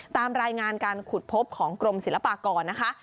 ตามรายงานการขุดพบของกรมศิลปากรนะคะ